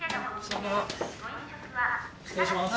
失礼します。